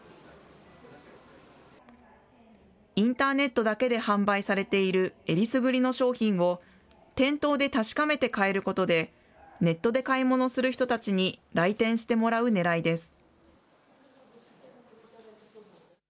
インターネットだけで販売されているえりすぐりの商品を、店頭で確かめて買えることで、ネットで買い物する人たちに来店してもらうねらいです。